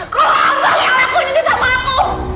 kalau abang yang lakuin ini sama aku